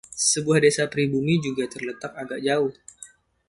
Sebuah desa pribumi juga terletak agak jauh.